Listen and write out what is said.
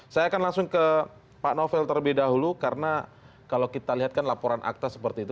saya akan langsung ke pak novel terlebih dahulu karena kalau kita lihat kan laporan akta seperti itu